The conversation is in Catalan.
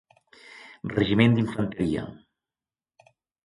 Regiment d'infanteria.